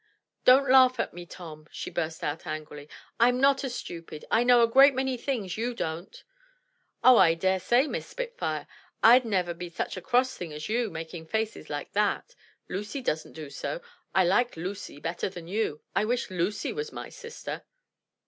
"Don't laugh at me, Tom," she burst out angrily; "Tm not a stupid. I know a great many things you don't." "Oh, I daresay. Miss Spitfire! I'd never be such a cross thing as you, making faces like that. Lucy doesn't do so. I like Lucy better than you. I wish Lucy was my sister."